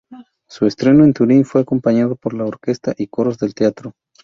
Su estreno en Turín fue acompañado por la orquesta y coros del teatro.